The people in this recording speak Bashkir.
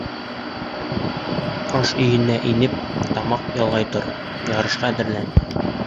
Аш өйөнә инеп тамаҡ ялғай тор, ярышҡа әҙерлән.